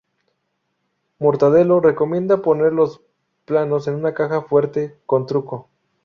Mortadelo recomienda poner los planos en una caja fuerte "con truco".